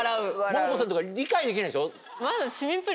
モモコさんとか理解できないでしょ？